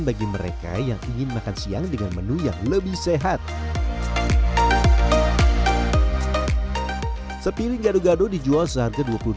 bagi mereka yang ingin makan siang dengan menu yang lebih sehat sepiring gado gado dijual seharga